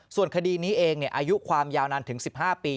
ส่วนคดีนี้เองอายุความยาวนานถึง๑๕ปี